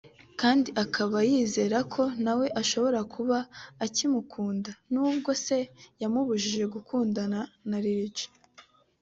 kandi akaba yizera ko nawe ashobora kuba akimukunda n’ubwo se yamubujije gukundana na Lil G